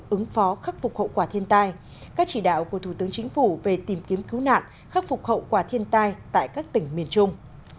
ứng phó khắc phục hậu quả thiên tai các chỉ đạo của thủ tướng chính phủ về tìm kiếm cứu nạn khắc phục hậu quả thiên tai tại các tỉnh miền trung